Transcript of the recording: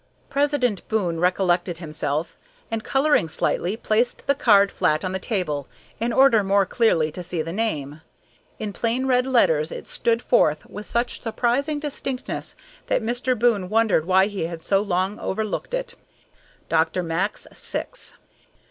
President Boon recollected himself, and, coloring slightly, placed the card flat on the table, in order more clearly to see the name. In plain red letters it stood forth with such surprising distinctness that Mr. Boon wondered why he had so long overlooked it. "DR. MAX SYX."